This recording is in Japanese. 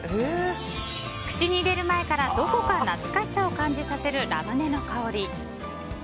口に入れる前からどこか懐かしさを感じさせるラムネの香り。